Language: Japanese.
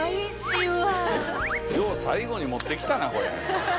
よう最後に持って来たなこれ。